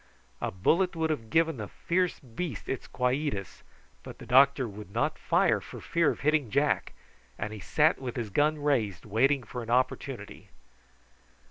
A bullet would have given the fierce beast its quietus, but the doctor would not fire for fear of hitting Jack, and he sat with his gun raised waiting for an opportunity.